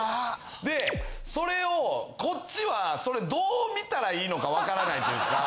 でそれをこっちはそれどう見たらいいのかわからないというか。